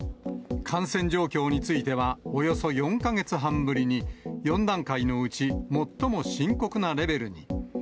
感染状況については、およそ４か月半ぶりに、４段階のうち最も深刻なレベルに。